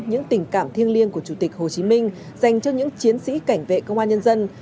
những tình cảm thiêng liêng của chủ tịch hồ chí minh dành cho những chiến sĩ cảnh vệ công an nhân dân